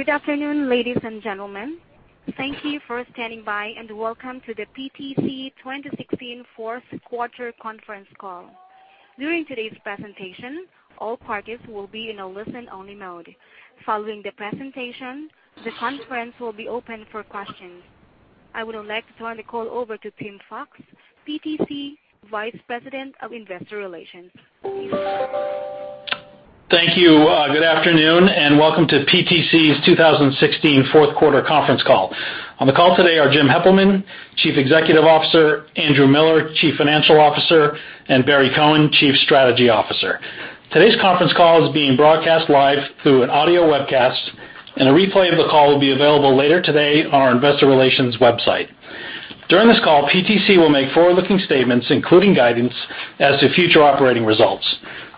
Good afternoon, ladies and gentlemen. Thank you for standing by, welcome to the PTC 2016 fourth quarter conference call. During today's presentation, all parties will be in a listen-only mode. Following the presentation, the conference will be open for questions. I would like to turn the call over to Tim Fox, PTC Vice President of Investor Relations. Thank you. Good afternoon, welcome to PTC's 2016 fourth quarter conference call. On the call today are Jim Heppelmann, Chief Executive Officer, Andrew Miller, Chief Financial Officer, and Barry Cohen, Chief Strategy Officer. Today's conference call is being broadcast live through an audio webcast. A replay of the call will be available later today on our investor relations website. During this call, PTC will make forward-looking statements, including guidance as to future operating results.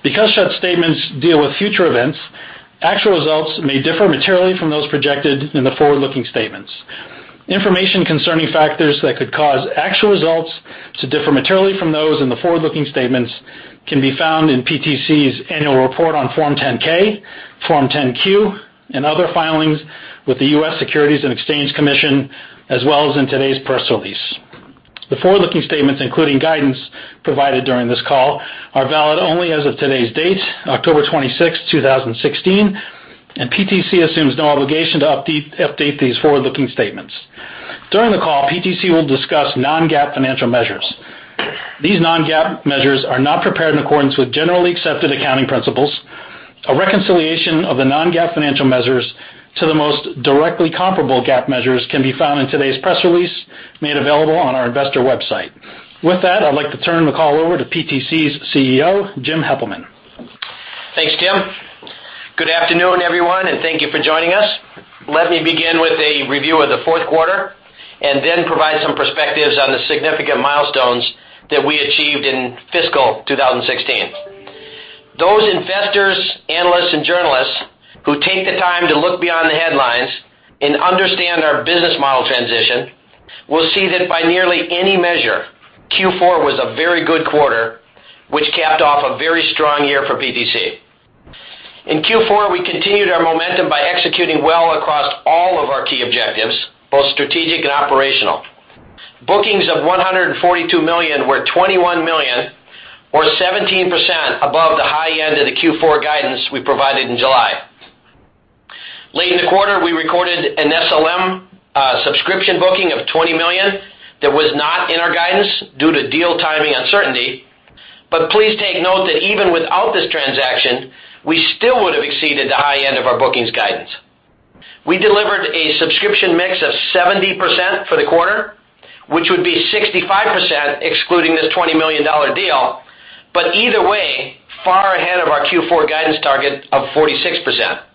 Such statements deal with future events, actual results may differ materially from those projected in the forward-looking statements. Information concerning factors that could cause actual results to differ materially from those in the forward-looking statements can be found in PTC's annual report on Form 10-K, Form 10-Q, and other filings with the U.S. Securities and Exchange Commission, as well as in today's press release. The forward-looking statements, including guidance provided during this call, are valid only as of today's date, October 26th, 2016. PTC assumes no obligation to update these forward-looking statements. During the call, PTC will discuss non-GAAP financial measures. These non-GAAP measures are not prepared in accordance with generally accepted accounting principles. A reconciliation of the non-GAAP financial measures to the most directly comparable GAAP measures can be found in today's press release, made available on our investor website. With that, I'd like to turn the call over to PTC's CEO, Jim Heppelmann. Thanks, Tim. Good afternoon, everyone, thank you for joining us. Let me begin with a review of the fourth quarter. Then provide some perspectives on the significant milestones that we achieved in fiscal 2016. Those investors, analysts, and journalists who take the time to look beyond the headlines and understand our business model transition will see that by nearly any measure, Q4 was a very good quarter, which capped off a very strong year for PTC. In Q4, we continued our momentum by executing well across all of our key objectives, both strategic and operational. Bookings of $142 million were $21 million, or 17% above the high end of the Q4 guidance we provided in July. Late in the quarter, we recorded an SLM subscription booking of $20 million that was not in our guidance due to deal timing uncertainty. Please take note that even without this transaction, we still would have exceeded the high end of our bookings guidance. We delivered a subscription mix of 70% for the quarter, which would be 65% excluding this $20 million deal, either way, far ahead of our Q4 guidance target of 46%.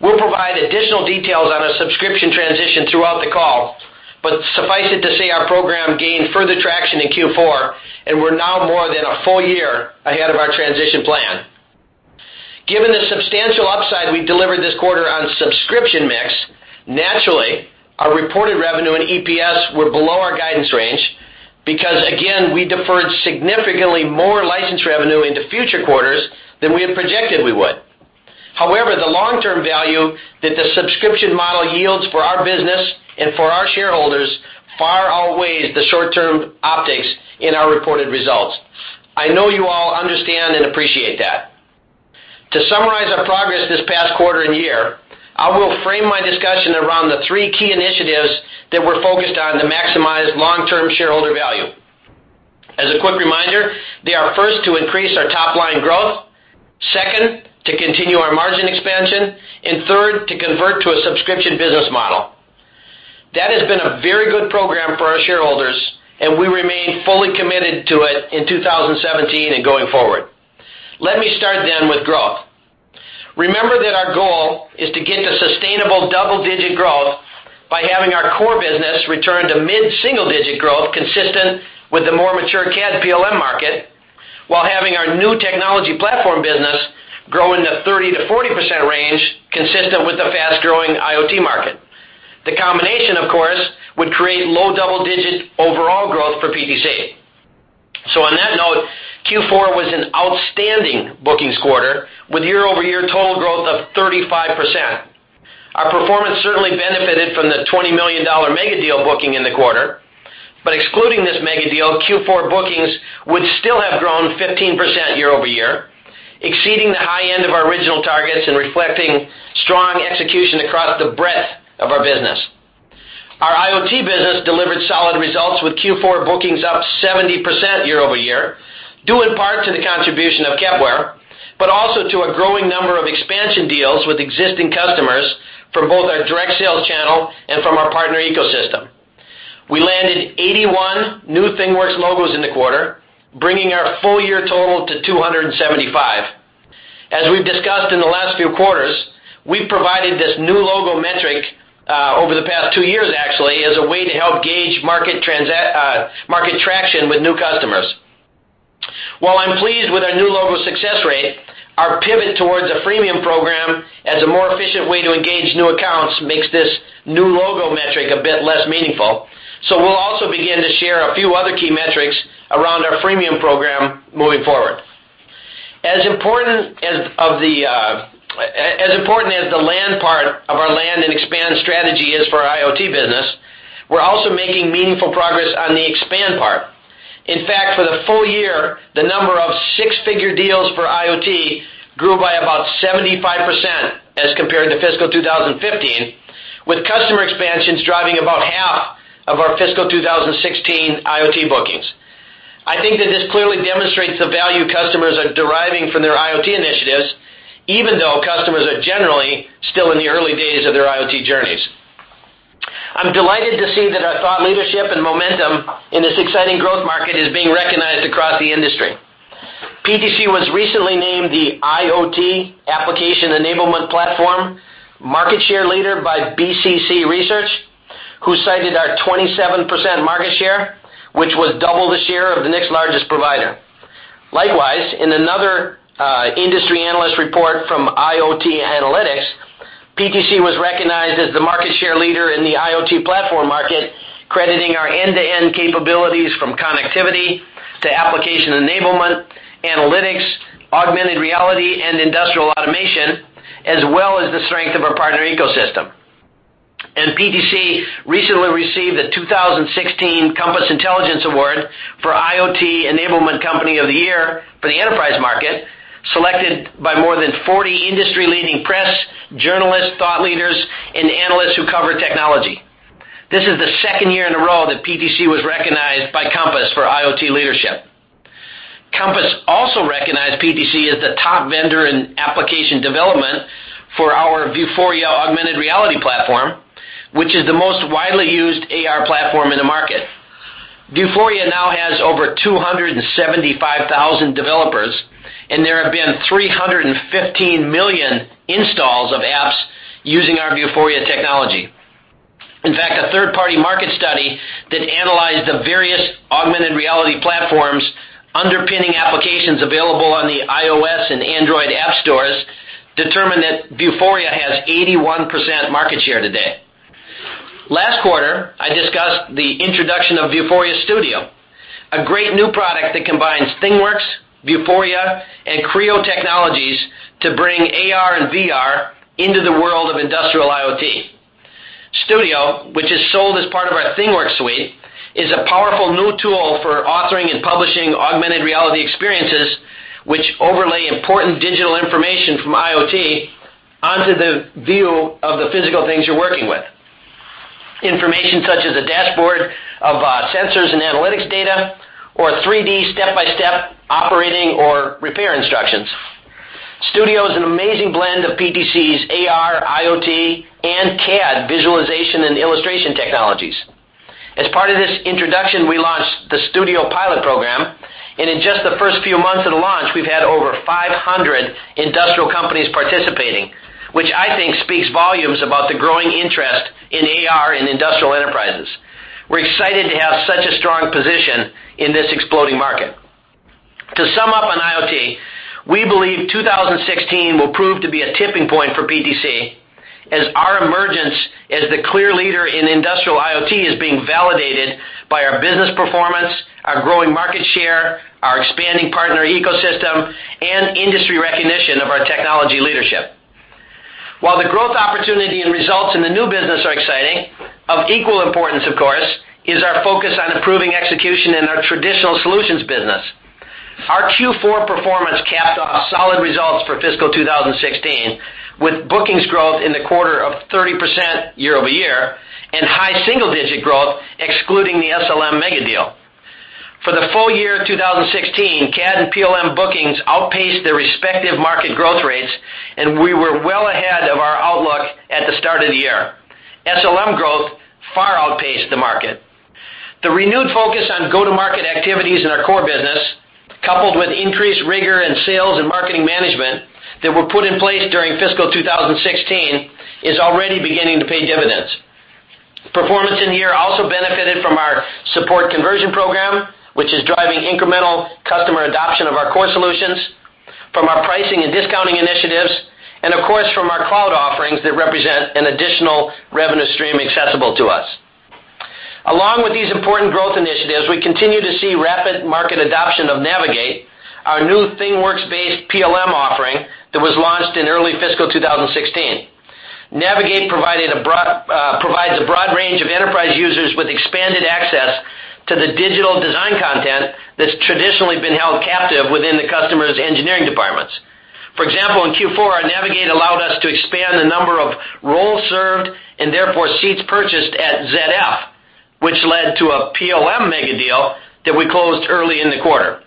We will provide additional details on our subscription transition throughout the call, suffice it to say our program gained further traction in Q4, and we are now more than a full year ahead of our transition plan. Given the substantial upside we delivered this quarter on subscription mix, naturally, our reported revenue and EPS were below our guidance range because, again, we deferred significantly more license revenue into future quarters than we had projected we would. However, the long-term value that the subscription model yields for our business and for our shareholders far outweighs the short-term optics in our reported results. I know you all understand and appreciate that. To summarize our progress this past quarter and year, I will frame my discussion around the three key initiatives that we are focused on to maximize long-term shareholder value. As a quick reminder, they are, first, to increase our top-line growth, second, to continue our margin expansion, and third, to convert to a subscription business model. That has been a very good program for our shareholders, and we remain fully committed to it in 2017 and going forward. Let me start with growth. Remember that our goal is to get to sustainable double-digit growth by having our core business return to mid-single-digit growth consistent with the more mature CAD PLM market, while having our new technology platform business grow in the 30%-40% range consistent with the fast-growing IoT market. The combination, of course, would create low double-digit overall growth for PTC. On that note, Q4 was an outstanding bookings quarter with year-over-year total growth of 35%. Our performance certainly benefited from the $20 million megadeal booking in the quarter. Excluding this megadeal, Q4 bookings would still have grown 15% year-over-year, exceeding the high end of our original targets and reflecting strong execution across the breadth of our business. Our IoT business delivered solid results with Q4 bookings up 70% year-over-year, due in part to the contribution of Kepware, also to a growing number of expansion deals with existing customers from both our direct sales channel and from our partner ecosystem. We landed 81 new ThingWorx logos in the quarter, bringing our full-year total to 275. As we have discussed in the last few quarters, we have provided this new logo metric, over the past two years actually, as a way to help gauge market traction with new customers. While I am pleased with our new logo success rate, our pivot towards a freemium program as a more efficient way to engage new accounts makes this new logo metric a bit less meaningful. We will also begin to share a few other key metrics around our freemium program moving forward. As important as the land part of our land and expand strategy is for our IoT business, we're also making meaningful progress on the expand part. In fact, for the full year, the number of six-figure deals for IoT grew by about 75% as compared to fiscal 2015, with customer expansions driving about half of our fiscal 2016 IoT bookings. I think that this clearly demonstrates the value customers are deriving from their IoT initiatives, even though customers are generally still in the early days of their IoT journeys. I'm delighted to see that our thought leadership and momentum in this exciting growth market is being recognized across the industry. PTC was recently named the IoT Application Enablement Platform Market Share Leader by BCC Research, who cited our 27% market share, which was double the share of the next largest provider. In another industry analyst report from IoT Analytics, PTC was recognized as the market share leader in the IoT platform market, crediting our end-to-end capabilities from connectivity to application enablement, analytics, augmented reality, and industrial automation, as well as the strength of our partner ecosystem. PTC recently received the 2016 Compass Intelligence Award for IoT Enablement Company of the Year for the enterprise market, selected by more than 40 industry-leading press, journalists, thought leaders, and analysts who cover technology. This is the second year in a row that PTC was recognized by Compass for IoT leadership. Compass also recognized PTC as the top vendor in application development for our Vuforia augmented reality platform, which is the most widely used AR platform in the market. Vuforia now has over 275,000 developers, and there have been 315 million installs of apps using our Vuforia technology. In fact, a third-party market study that analyzed the various augmented reality platforms underpinning applications available on the iOS and Android app stores determined that Vuforia has 81% market share today. Last quarter, I discussed the introduction of Vuforia Studio, a great new product that combines ThingWorx, Vuforia and Creo technologies to bring AR and VR into the world of industrial IoT. Studio, which is sold as part of our ThingWorx suite, is a powerful new tool for authoring and publishing augmented reality experiences, which overlay important digital information from IoT onto the view of the physical things you're working with. Information such as a dashboard of sensors and analytics data, or 3D step-by-step operating or repair instructions. Studio is an amazing blend of PTC's AR, IoT, and CAD visualization and illustration technologies. As part of this introduction, we launched the Studio Pilot Program, and in just the first few months of the launch, we've had over 500 industrial companies participating, which I think speaks volumes about the growing interest in AR in industrial enterprises. We're excited to have such a strong position in this exploding market. To sum up on IoT, we believe 2016 will prove to be a tipping point for PTC, as our emergence as the clear leader in industrial IoT is being validated by our business performance, our growing market share, our expanding partner ecosystem, and industry recognition of our technology leadership. While the growth opportunity and results in the new business are exciting, of equal importance, of course, is our focus on improving execution in our traditional solutions business. Our Q4 performance capped off solid results for fiscal 2016, with bookings growth in the quarter of 30% year-over-year and high single-digit growth excluding the SLM megadeal. For the full year 2016, CAD and PLM bookings outpaced their respective market growth rates. We were well ahead of our outlook at the start of the year. SLM growth far outpaced the market. The renewed focus on go-to-market activities in our core business, coupled with increased rigor in sales and marketing management that were put in place during fiscal 2016, is already beginning to pay dividends. Performance in here also benefited from our support conversion program, which is driving incremental customer adoption of our core solutions, from our pricing and discounting initiatives, and of course, from our cloud offerings that represent an additional revenue stream accessible to us. Along with these important growth initiatives, we continue to see rapid market adoption of ThingWorx Navigate, our new ThingWorx-based PLM offering that was launched in early fiscal 2016. Navigate provides a broad range of enterprise users with expanded access to the digital design content that's traditionally been held captive within the customer's engineering departments. For example, in Q4, our Navigate allowed us to expand the number of roles served and therefore seats purchased at ZF, which led to a PLM megadeal that we closed early in the quarter.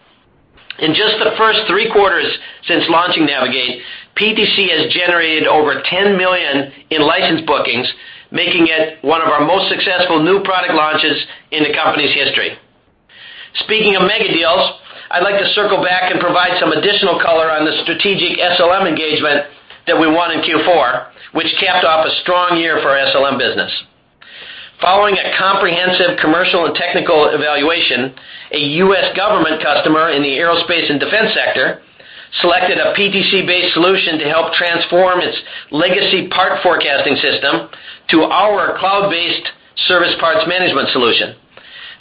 In just the first three quarters since launching Navigate, PTC has generated over $10 million in license bookings, making it one of our most successful new product launches in the company's history. Speaking of megadeals, I'd like to circle back and provide some additional color on the strategic SLM engagement that we won in Q4, which capped off a strong year for our SLM business. Following a comprehensive commercial and technical evaluation, a U.S. government customer in the aerospace and defense sector selected a PTC-based solution to help transform its legacy part forecasting system to our cloud-based service parts management solution.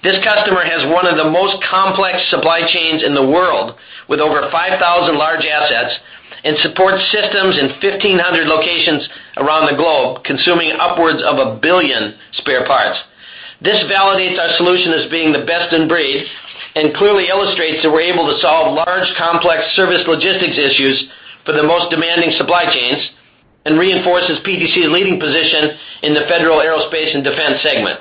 This customer has one of the most complex supply chains in the world, with over 5,000 large assets and supports systems in 1,500 locations around the globe, consuming upwards of a billion spare parts. This validates our solution as being the best in breed. Clearly illustrates that we're able to solve large, complex service logistics issues for the most demanding supply chains and reinforces PTC's leading position in the federal aerospace and defense segment.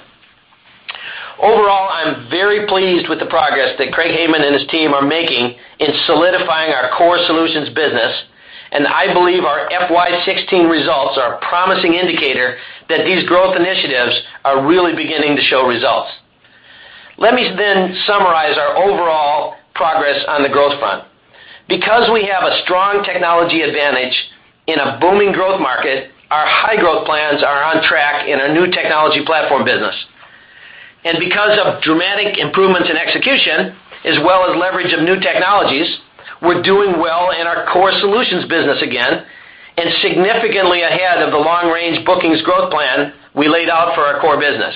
Overall, I'm very pleased with the progress that Craig Hayman and his team are making in solidifying our core solutions business. I believe our FY 2016 results are a promising indicator that these growth initiatives are really beginning to show results. Let me then summarize our overall progress on the growth front. Because we have a strong technology advantage in a booming growth market, our high growth plans are on track in our new technology platform business. Because of dramatic improvements in execution, as well as leverage of new technologies, we're doing well in our core solutions business again, and significantly ahead of the long-range bookings growth plan we laid out for our core business.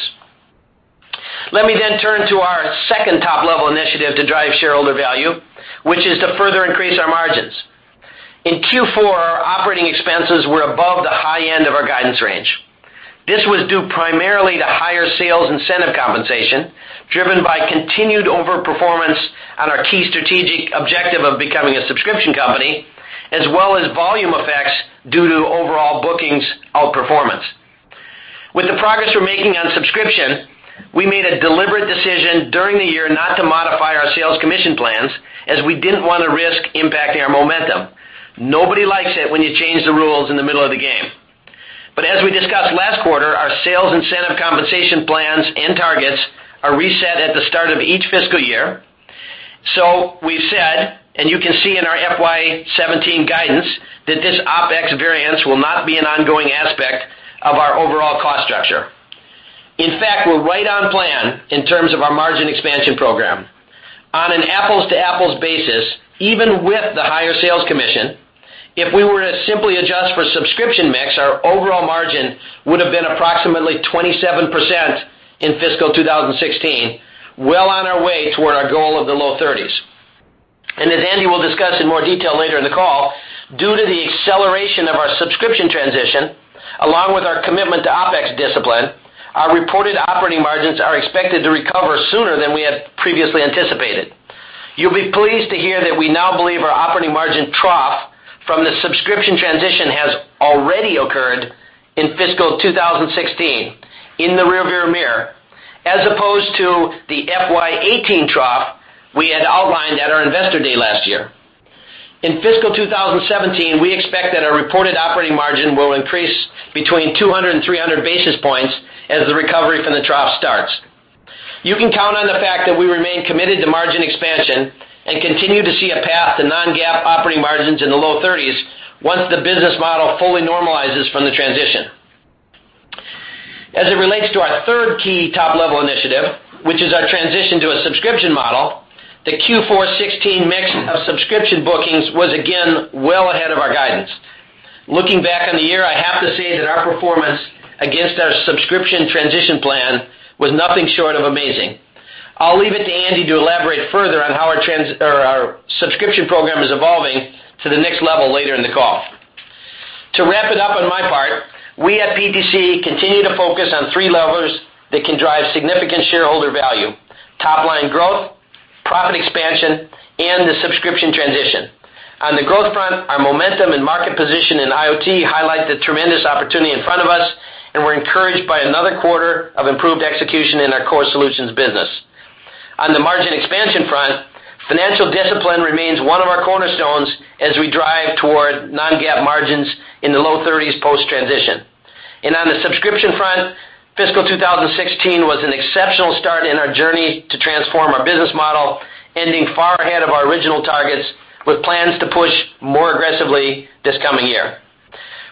Let me then turn to our second top-level initiative to drive shareholder value, which is to further increase our margins. In Q4, our operating expenses were above the high end of our guidance range. This was due primarily to higher sales incentive compensation driven by continued over-performance on our key strategic objective of becoming a subscription company, as well as volume effects due to overall bookings outperformance. With the progress we're making on subscription, we made a deliberate decision during the year not to modify our sales commission plans, as we didn't want to risk impacting our momentum. Nobody likes it when you change the rules in the middle of the game. As we discussed last quarter, our sales incentive compensation plans and targets are reset at the start of each fiscal year. We've said, and you can see in our FY 2017 guidance, that this OpEx variance will not be an ongoing aspect of our overall cost structure. In fact, we're right on plan in terms of our margin expansion program. On an apples-to-apples basis, even with the higher sales commission, if we were to simply adjust for subscription mix, our overall margin would have been approximately 27% in fiscal 2016, well on our way toward our goal of the low thirties. As Andy will discuss in more detail later in the call, due to the acceleration of our subscription transition, along with our commitment to OpEx discipline, our reported operating margins are expected to recover sooner than we had previously anticipated. You'll be pleased to hear that we now believe our operating margin trough from the subscription transition has already occurred in fiscal 2016, in the rear view mirror, as opposed to the FY 2018 trough we had outlined at our investor day last year. In fiscal 2017, we expect that our reported operating margin will increase between 200 and 300 basis points as the recovery from the trough starts. You can count on the fact that we remain committed to margin expansion and continue to see a path to non-GAAP operating margins in the low thirties once the business model fully normalizes from the transition. It relates to our third key top level initiative, which is our transition to a subscription model, the Q4 2016 mix of subscription bookings was again well ahead of our guidance. Looking back on the year, I have to say that our performance against our subscription transition plan was nothing short of amazing. I'll leave it to Andy to elaborate further on how our subscription program is evolving to the next level later in the call. To wrap it up on my part, we at PTC continue to focus on three levers that can drive significant shareholder value, top-line growth, profit expansion, and the subscription transition. The growth front, our momentum and market position in IoT highlight the tremendous opportunity in front of us, and we're encouraged by another quarter of improved execution in our core solutions business. The margin expansion front, financial discipline remains one of our cornerstones as we drive toward non-GAAP margins in the low thirties post-transition. The subscription front, fiscal 2016 was an exceptional start in our journey to transform our business model, ending far ahead of our original targets, with plans to push more aggressively this coming year.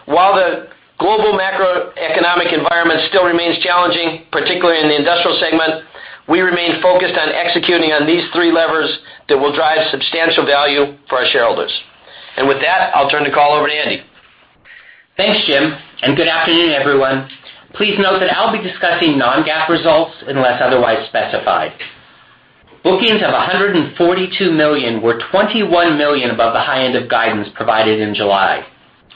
While the global macroeconomic environment still remains challenging, particularly in the industrial segment, we remain focused on executing on these three levers that will drive substantial value for our shareholders. With that, I'll turn the call over to Andy. Thanks, Jim. Good afternoon, everyone. Please note that I'll be discussing non-GAAP results unless otherwise specified. Bookings of $142 million were $21 million above the high end of guidance provided in July.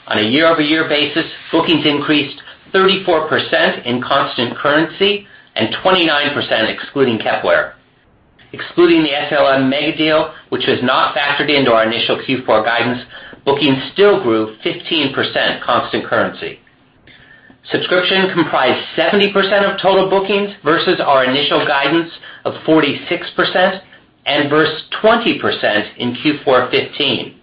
On a year-over-year basis, bookings increased 34% in constant currency and 29% excluding Kepware. Excluding the SLM megadeal, which was not factored into our initial Q4 guidance, bookings still grew 15% constant currency. Subscription comprised 70% of total bookings versus our initial guidance of 46% and versus 20% in Q4 2015.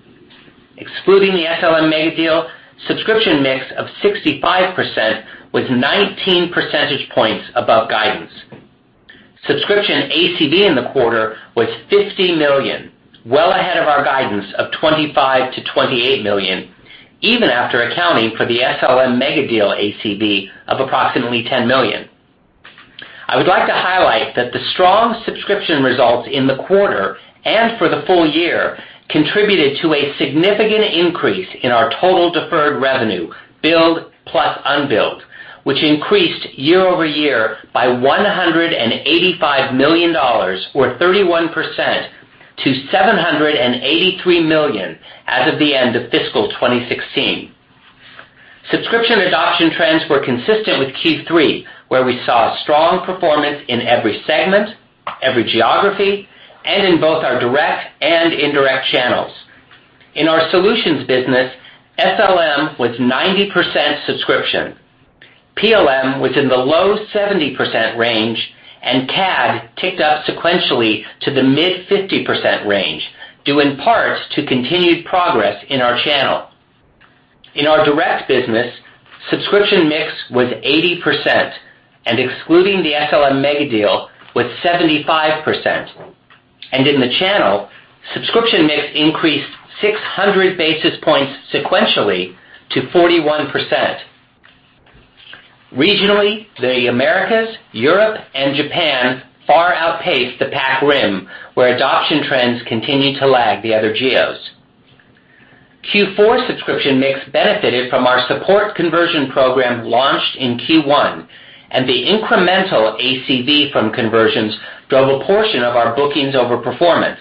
Excluding the SLM megadeal, subscription mix of 65% was 19 percentage points above guidance. Subscription ACV in the quarter was $50 million, well ahead of our guidance of $25 million-$28 million, even after accounting for the SLM megadeal ACV of approximately $10 million. I would like to highlight that the strong subscription results in the quarter and for the full year contributed to a significant increase in our total deferred revenue, billed plus unbilled, which increased year over year by $185 million, or 31%, to $783 million as of the end of fiscal 2016. Subscription adoption trends were consistent with Q3, where we saw strong performance in every segment, every geography, and in both our direct and indirect channels. In our solutions business, SLM was 90% subscription. PLM was in the low 70% range, and CAD ticked up sequentially to the mid 50% range, due in part to continued progress in our channel. In our direct business, subscription mix was 80%, and excluding the SLM megadeal, was 75%. In the channel, subscription mix increased 600 basis points sequentially to 41%. Regionally, the Americas, Europe, and Japan far outpaced the Pac Rim, where adoption trends continue to lag the other geos. Q4 subscription mix benefited from our support conversion program launched in Q1, and the incremental ACV from conversions drove a portion of our bookings over performance.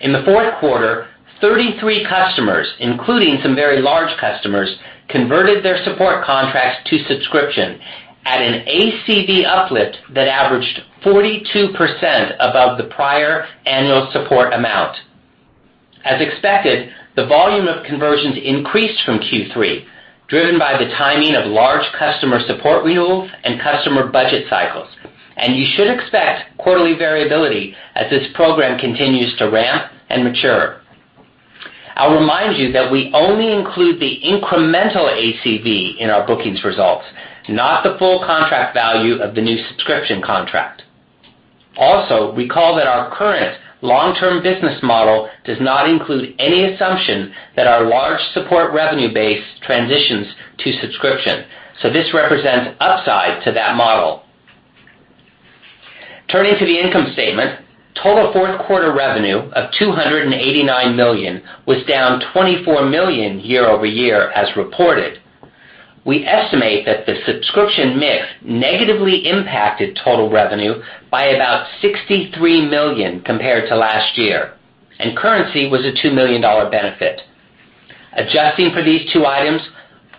In the fourth quarter, 33 customers, including some very large customers, converted their support contracts to subscription at an ACV uplift that averaged 42% above the prior annual support amount. As expected, the volume of conversions increased from Q3, driven by the timing of large customer support renewals and customer budget cycles. You should expect quarterly variability as this program continues to ramp and mature. I'll remind you that we only include the incremental ACV in our bookings results, not the full contract value of the new subscription contract. Recall that our current long-term business model does not include any assumption that our large support revenue base transitions to subscription. This represents upside to that model. Turning to the income statement, total fourth quarter revenue of $289 million was down $24 million year-over-year as reported. We estimate that the subscription mix negatively impacted total revenue by about $63 million compared to last year, and currency was a $2 million benefit. Adjusting for these two items,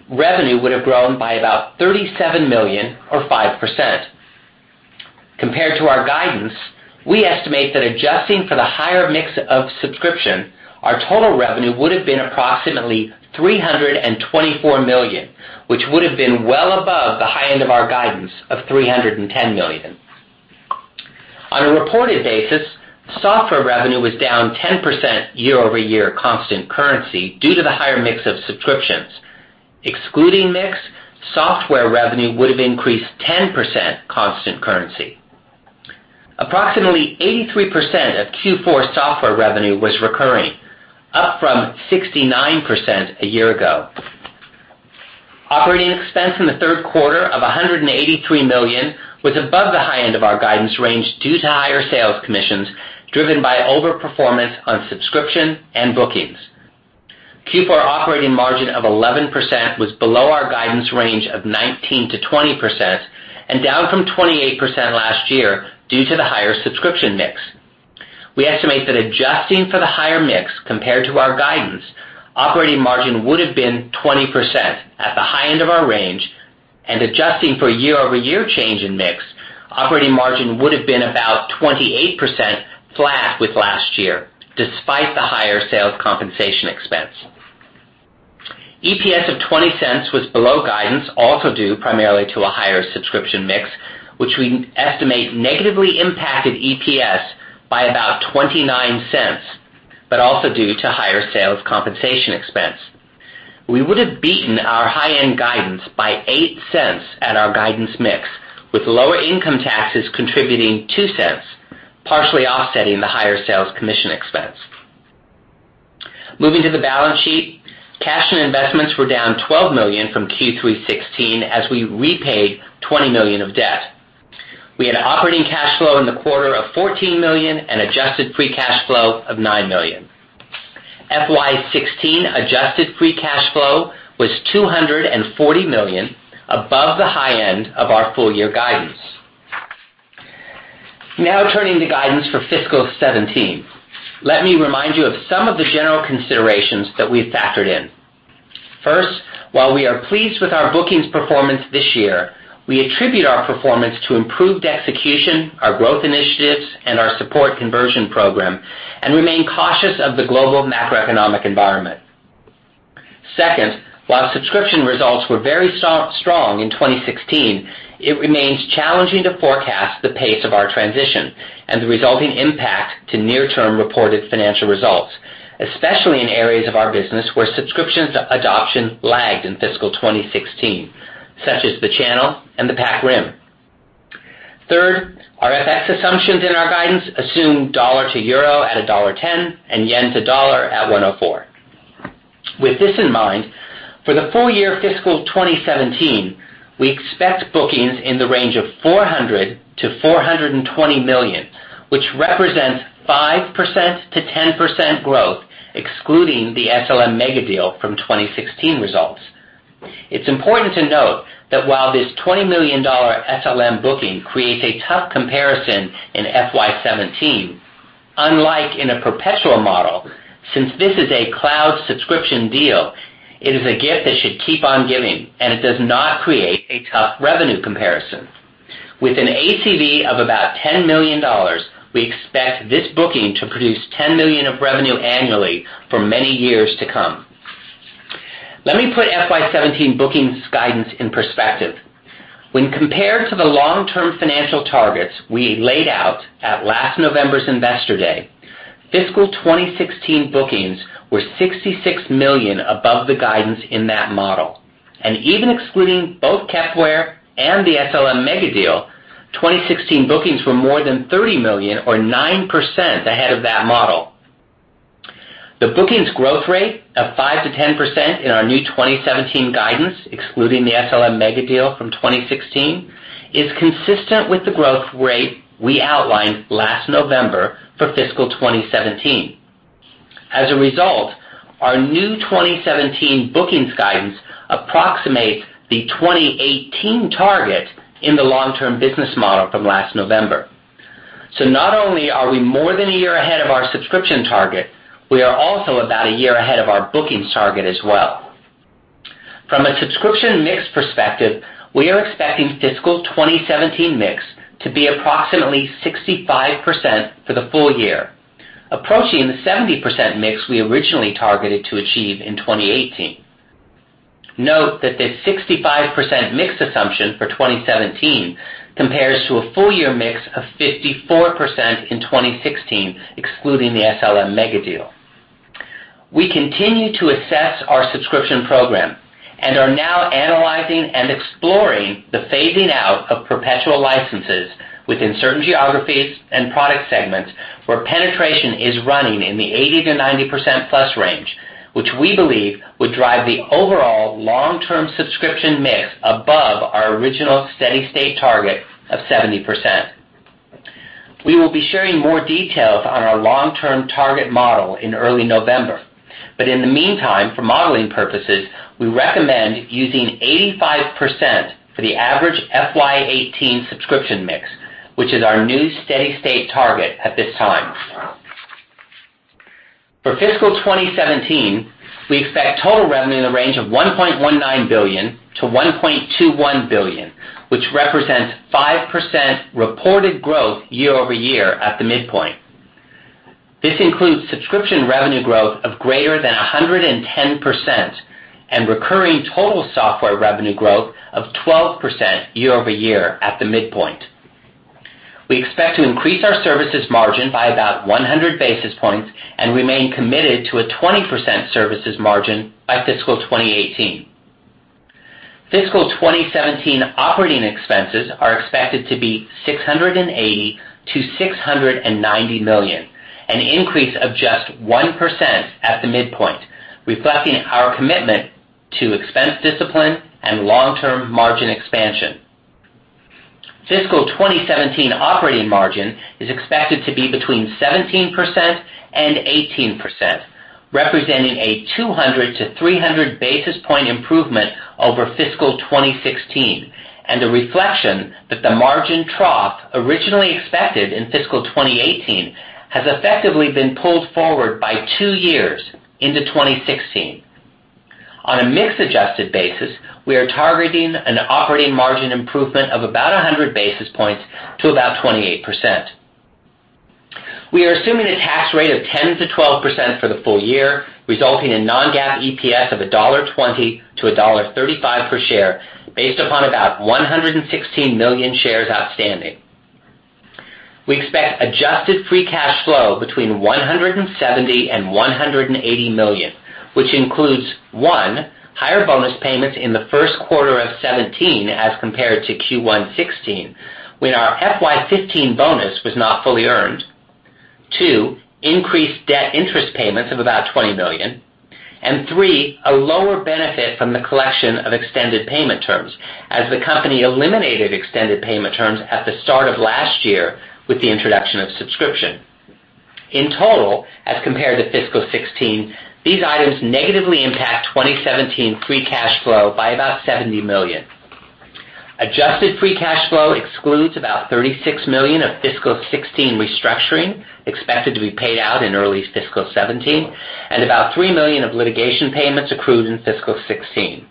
revenue would have grown by about $37 million or 5%. Compared to our guidance, we estimate that adjusting for the higher mix of subscription, our total revenue would have been approximately $324 million, which would have been well above the high end of our guidance of $310 million. On a reported basis, software revenue was down 10% year-over-year constant currency due to the higher mix of subscriptions. Excluding mix, software revenue would have increased 10% constant currency. Approximately 83% of Q4 software revenue was recurring, up from 69% a year ago. Operating expense in the third quarter of $183 million was above the high end of our guidance range due to higher sales commissions, driven by overperformance on subscription and bookings. Q4 operating margin of 11% was below our guidance range of 19%-20% and down from 28% last year due to the higher subscription mix. We estimate that adjusting for the higher mix compared to our guidance, operating margin would have been 20% at the high end of our range, and adjusting for year-over-year change in mix, operating margin would have been about 28%, flat with last year, despite the higher sales compensation expense. EPS of $0.20 was below guidance, also due primarily to a higher subscription mix, which we estimate negatively impacted EPS by about $0.29, but also due to higher sales compensation expense. We would have beaten our high-end guidance by $0.08 at our guidance mix, with lower income taxes contributing $0.02, partially offsetting the higher sales commission expense. Moving to the balance sheet, cash and investments were down $12 million from Q3 2016 as we repaid $20 million of debt. We had operating cash flow in the quarter of $14 million and adjusted free cash flow of $9 million. FY 2016 adjusted free cash flow was $240 million above the high end of our full year guidance. Turning to guidance for fiscal 2017. Let me remind you of some of the general considerations that we've factored in. First, while we are pleased with our bookings performance this year, we attribute our performance to improved execution, our growth initiatives, and our support conversion program, and remain cautious of the global macroeconomic environment. Second, while subscription results were very strong in 2016, it remains challenging to forecast the pace of our transition and the resulting impact to near-term reported financial results, especially in areas of our business where subscriptions adoption lagged in fiscal 2016, such as the channel and the Pac Rim. Third, our FX assumptions in our guidance assume dollar to euro at $1.10 and JPY to dollar at 104. With this in mind, for the full year fiscal 2017, we expect bookings in the range of $400 million-$420 million. This represents 5%-10% growth, excluding the SLM megadeal from 2016 results. It's important to note that while this $20 million SLM booking creates a tough comparison in FY 2017, unlike in a perpetual model, since this is a cloud subscription deal, it is a gift that should keep on giving, and it does not create a tough revenue comparison. With an ACV of about $10 million, we expect this booking to produce $10 million of revenue annually for many years to come. Let me put FY 2017 bookings guidance in perspective. When compared to the long-term financial targets we laid out at last November's Investor Day, fiscal 2016 bookings were $66 million above the guidance in that model. Even excluding both Kepware and the SLM megadeal, 2016 bookings were more than $30 million or 9% ahead of that model. The bookings growth rate of 5%-10% in our new 2017 guidance, excluding the SLM megadeal from 2016, is consistent with the growth rate we outlined last November for fiscal 2017. As a result, our new 2017 bookings guidance approximates the 2018 target in the long-term business model from last November. Not only are we more than a year ahead of our subscription target, we are also about a year ahead of our bookings target as well. From a subscription mix perspective, we are expecting fiscal 2017 mix to be approximately 65% for the full year, approaching the 70% mix we originally targeted to achieve in 2018. Note that this 65% mix assumption for 2017 compares to a full year mix of 54% in 2016, excluding the SLM megadeal. We continue to assess our subscription program and are now analyzing and exploring the phasing out of perpetual licenses within certain geographies and product segments where penetration is running in the 80%-90% plus range, which we believe would drive the overall long-term subscription mix above our original steady-state target of 70%. We will be sharing more details on our long-term target model in early November, in the meantime, for modeling purposes, we recommend using 85% for the average FY 2018 subscription mix, which is our new steady-state target at this time. For fiscal 2017, we expect total revenue in the range of $1.19 billion-$1.21 billion, which represents 5% reported growth year-over-year at the midpoint. This includes subscription revenue growth of greater than 110% and recurring total software revenue growth of 12% year-over-year at the midpoint. We expect to increase our services margin by about 100 basis points and remain committed to a 20% services margin by fiscal 2018. Fiscal 2017 operating expenses are expected to be $680 million-$690 million, an increase of just 1% at the midpoint, reflecting our commitment to expense discipline and long-term margin expansion. Fiscal 2017 operating margin is expected to be between 17%-18%, representing a 200-300 basis point improvement over fiscal 2016, a reflection that the margin trough originally expected in fiscal 2018 has effectively been pulled forward by two years into 2016. On a mix-adjusted basis, we are targeting an operating margin improvement of about 100 basis points to about 28%. We are assuming a tax rate of 10%-12% for the full year, resulting in non-GAAP EPS of $1.20-$1.35 per share, based upon about 116 million shares outstanding. We expect adjusted free cash flow between $170 million and $180 million, which includes, 1, higher bonus payments in the first quarter of 2017 as compared to Q1 2016, when our FY 2015 bonus was not fully earned. 2, increased debt interest payments of about $20 million. 3, a lower benefit from the collection of extended payment terms as the company eliminated extended payment terms at the start of last year with the introduction of subscription. In total, as compared to fiscal 2016, these items negatively impact 2017 free cash flow by about $70 million. Adjusted free cash flow excludes about $36 million of fiscal 2016 restructuring expected to be paid out in early fiscal 2017 and about $3 million of litigation payments accrued in fiscal 2016.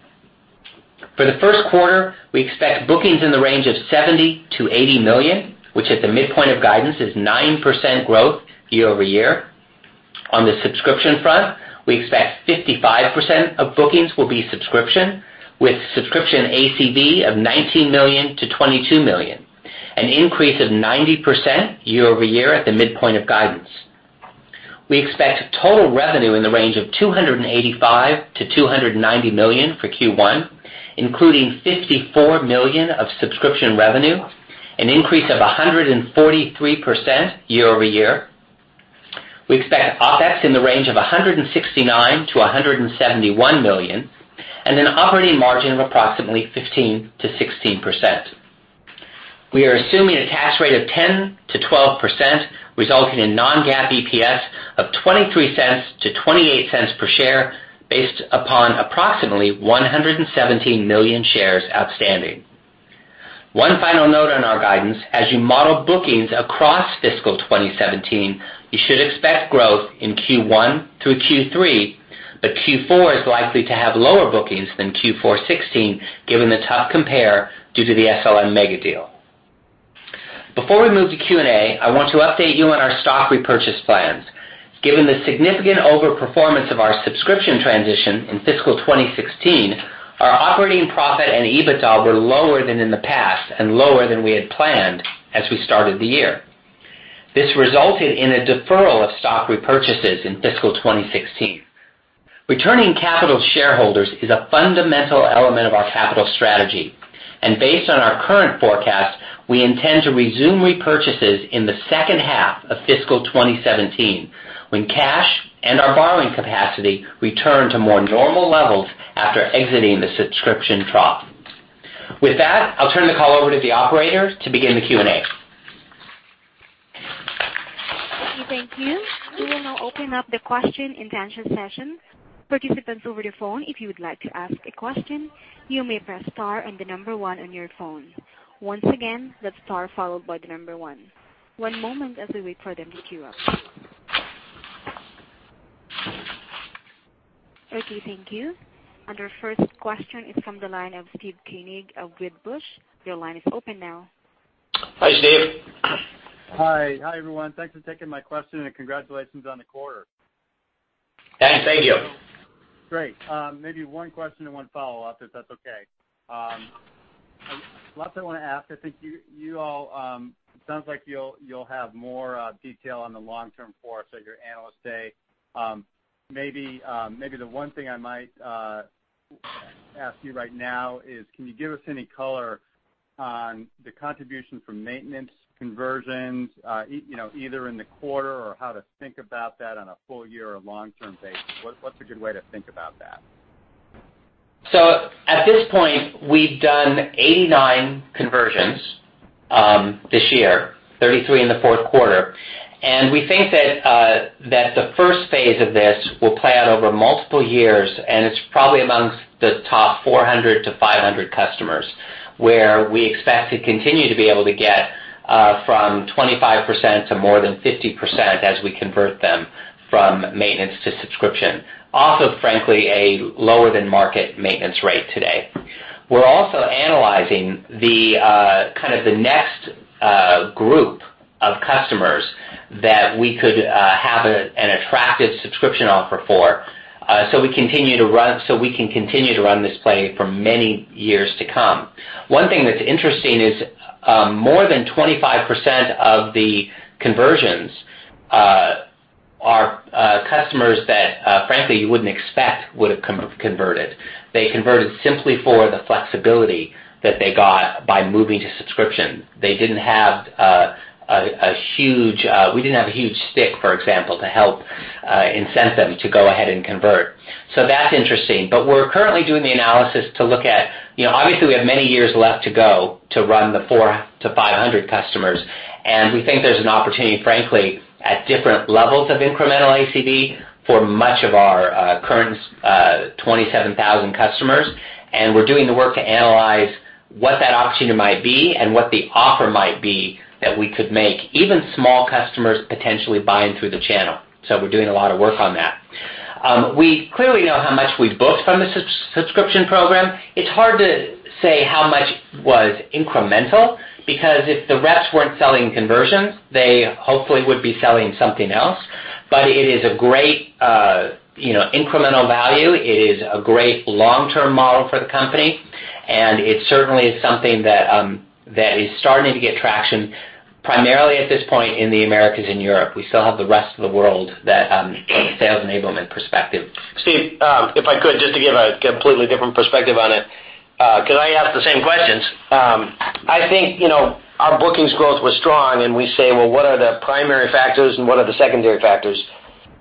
For the first quarter, we expect bookings in the range of $70 million to $80 million, which at the midpoint of guidance is 9% growth year-over-year. On the subscription front, we expect 55% of bookings will be subscription, with subscription ACV of $19 million to $22 million, an increase of 90% year-over-year at the midpoint of guidance. We expect total revenue in the range of $285 million to $290 million for Q1, including $54 million of subscription revenue, an increase of 143% year-over-year. We expect OpEx in the range of $169 million to $171 million, and an operating margin of approximately 15%-16%. We are assuming a tax rate of 10%-12%, resulting in non-GAAP EPS of $0.23 to $0.28 per share based upon approximately 117 million shares outstanding. One final note on our guidance. As you model bookings across fiscal 2017, you should expect growth in Q1 through Q3, but Q4 is likely to have lower bookings than Q4 2016, given the tough compare due to the SLM megadeal. Before we move to Q&A, I want to update you on our stock repurchase plans. Given the significant over-performance of our subscription transition in fiscal 2016, our operating profit and EBITDA were lower than in the past and lower than we had planned as we started the year. This resulted in a deferral of stock repurchases in fiscal 2016. Based on our current forecast, we intend to resume repurchases in the second half of fiscal 2017, when cash and our borrowing capacity return to more normal levels after exiting the subscription trough. With that, I'll turn the call over to the operator to begin the Q&A. Okay, thank you. We will now open up the question and answer session. Participants over the phone, if you would like to ask a question, you may press star and the number one on your phone. Once again, that's star followed by the number one. One moment as we wait for them to queue up. Okay, thank you. Our first question is from the line of Steve Koenig of Wedbush. Your line is open now. Hi, Steve. Hi. Hi, everyone. Thanks for taking my question, and congratulations on the quarter. Thanks. Thank you. Great. Maybe one question and one follow-up, if that's okay. Lots I want to ask. I think it sounds like you will have more detail on the long-term forecast at your Analyst Day. Maybe the one thing I might ask you right now is, can you give us any color on the contribution from maintenance conversions, either in the quarter or how to think about that on a full-year or long-term basis? What is a good way to think about that? At this point, we have done 89 conversions this year, 33 in the fourth quarter. We think that the first phase of this will play out over multiple years, and it is probably amongst the top 400 to 500 customers, where we expect to continue to be able to get from 25%-50% as we convert them from maintenance to subscription. Off of, frankly, a lower-than-market maintenance rate today. We are also analyzing the next group of customers that we could have an attractive subscription offer for, so we can continue to run this play for many years to come. One thing that is interesting is more than 25% of the conversions are customers that, frankly, you would not expect would have converted. They converted simply for the flexibility that they got by moving to subscription. We did not have a huge stick, for example, to help incent them to go ahead and convert. That is interesting. We are currently doing the analysis to look at. Obviously, we have many years left to go to run the 400 to 500 customers, and we think there is an opportunity, frankly, at different levels of incremental ACV for much of our current 27,000 customers. We are doing the work to analyze what that opportunity might be and what the offer might be that we could make even small customers potentially buy in through the channel. We are doing a lot of work on that. We clearly know how much we have booked from the subscription program. It is hard to say how much was incremental, because if the reps were not selling conversions, they hopefully would be selling something else. It is of great incremental value. It is a great long-term model for the company, and it certainly is something that is starting to get traction, primarily at this point in the Americas and Europe. We still have the rest of the world, that sales enablement perspective. Steve, if I could, just to give a completely different perspective on it, because I get asked the same questions. I think our bookings growth was strong, and we say, "Well, what are the primary factors and what are the secondary factors?"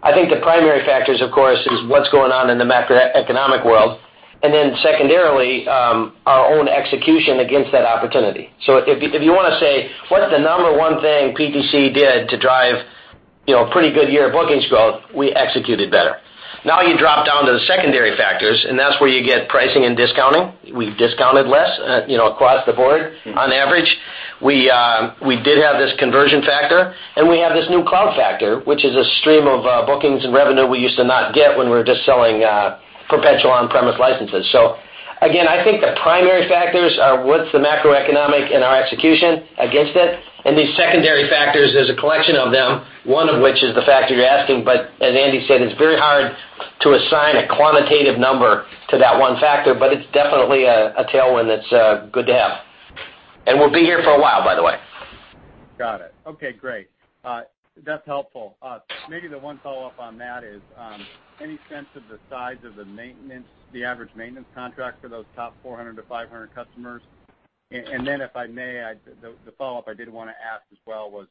I think the primary factors, of course, is what is going on in the macroeconomic world, then secondarily, our own execution against that opportunity. If you want to say, what is the number one thing PTC did to drive a pretty good year of bookings growth? We executed better. Now you drop down to the secondary factors, and that is where you get pricing and discounting. We've discounted less across the board, on average. We did have this conversion factor, and we have this new cloud factor, which is a stream of bookings and revenue we used to not get when we were just selling perpetual on-premise licenses. Again, I think the primary factors are what's the macroeconomic and our execution against it. These secondary factors, there's a collection of them, one of which is the factor you're asking. As Andy said, it's very hard to assign a quantitative number to that one factor, but it's definitely a tailwind that's good to have. Will be here for a while, by the way. Got it. Okay, great. That's helpful. Maybe the one follow-up on that is, any sense of the size of the average maintenance contract for those top 400-500 customers? Then if I may, the follow-up I did want to ask as well was,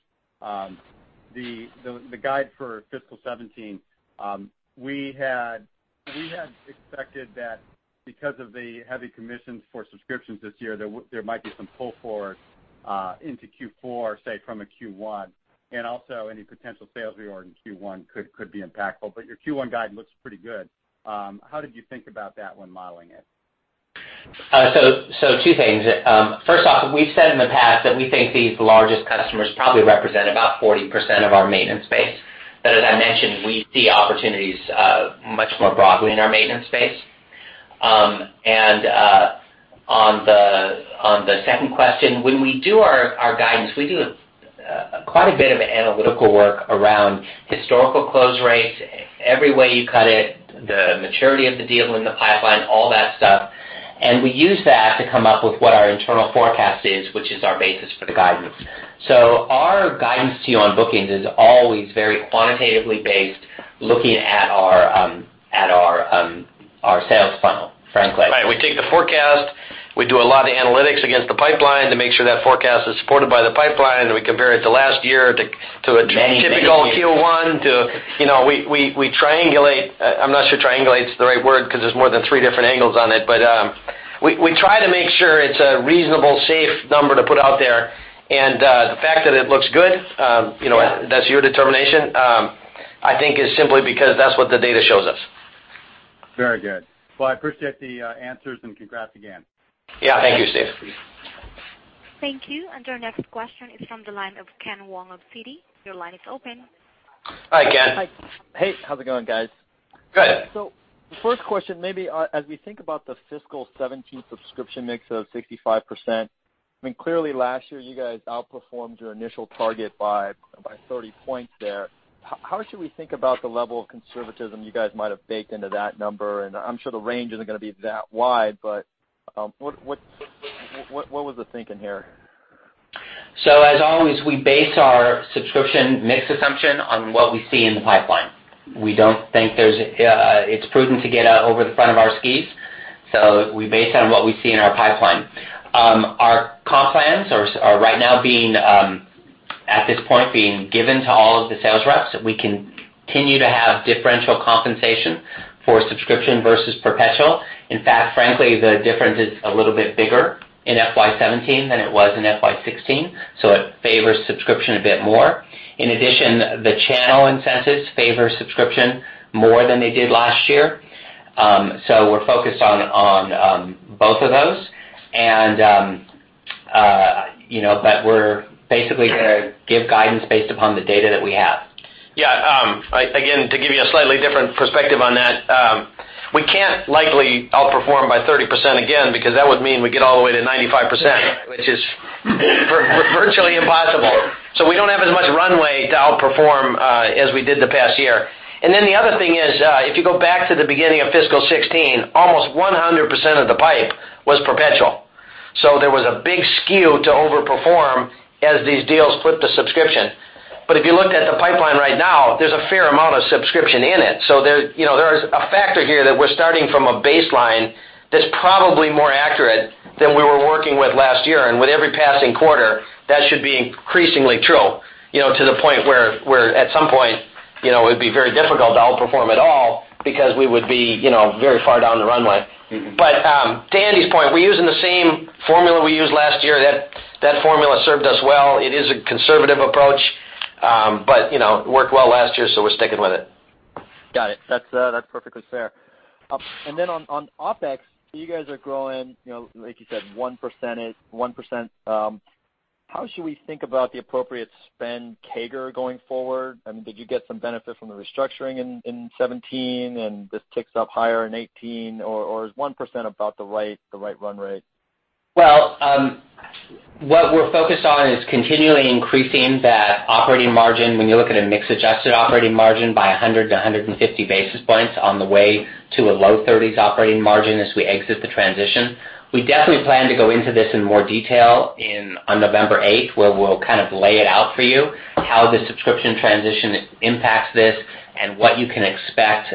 the guide for fiscal 2017. We had expected that because of the heavy commissions for subscriptions this year, there might be some pull forward into Q4, say, from a Q1, and also any potential sales we were in Q1 could be impactful, but your Q1 guide looks pretty good. How did you think about that when modeling it? Two things. First off, we've said in the past that we think these largest customers probably represent about 40% of our maintenance base. As I mentioned, we see opportunities much more broadly in our maintenance base. On the second question, when we do our guidance, we do quite a bit of analytical work around historical close rates, every way you cut it, the maturity of the deal in the pipeline, all that stuff, and we use that to come up with what our internal forecast is, which is our basis for the guidance. Our guidance to you on bookings is always very quantitatively based, looking at our sales funnel, frankly. Right. We take the forecast, we do a lot of analytics against the pipeline to make sure that forecast is supported by the pipeline, and we compare it to last year. Many, many years. -a typical Q1. We triangulate. I'm not sure triangulate's the right word because there's more than three different angles on it, but we try to make sure it's a reasonable, safe number to put out there. The fact that it looks good. Yeah that's your determination, I think is simply because that's what the data shows us. Very good. Well, I appreciate the answers, congrats again. Yeah. Thank you, Steve. Thank you. Our next question is from the line of Ken Wong of Citi. Your line is open. Hi, Ken. Hey, how's it going, guys? Good. The first question, maybe as we think about the fiscal 2017 subscription mix of 65%, I mean, clearly last year you guys outperformed your initial target by 30 points there. How should we think about the level of conservatism you guys might have baked into that number? I'm sure the range isn't going to be that wide, but what was the thinking here? As always, we base our subscription mix assumption on what we see in the pipeline. We don't think it's prudent to get out over the front of our skis, so we base it on what we see in our pipeline. Our comp plans are right now, at this point, being given to all of the sales reps. We continue to have differential compensation for subscription versus perpetual. In fact, frankly, the difference is a little bit bigger in FY 2017 than it was in FY 2016, so it favors subscription a bit more. In addition, the channel incentives favor subscription more than they did last year. We're focused on both of those, but we're basically going to give guidance based upon the data that we have. Yeah. Again, to give you a slightly different perspective on that, we can't likely outperform by 30% again, because that would mean we'd get all the way to 95%, which is virtually impossible. We don't have as much runway to outperform as we did the past year. The other thing is, if you go back to the beginning of fiscal 2016, almost 100% of the pipe was perpetual. There was a big skew to over-perform as these deals flipped to subscription. If you looked at the pipeline right now, there's a fair amount of subscription in it. There's a factor here that we're starting from a baseline that's probably more accurate than we were working with last year. With every passing quarter, that should be increasingly true, to the point where at some point it'd be very difficult to outperform at all because we would be very far down the runway. To Andy's point, we're using the same formula we used last year. That formula served us well. It is a conservative approach. It worked well last year, so we're sticking with it. Got it. That's perfectly fair. Then on OpEx, you guys are growing, like you said, 1%. How should we think about the appropriate spend CAGR going forward? I mean, did you get some benefit from the restructuring in 2017, and this ticks up higher in 2018, or is 1% about the right run rate? Well, what we're focused on is continually increasing that operating margin, when you look at a mix-adjusted operating margin, by 100 to 150 basis points on the way to a low 30s operating margin as we exit the transition. We definitely plan to go into this in more detail on November 8th, where we'll kind of lay it out for you, how the subscription transition impacts this and what you can expect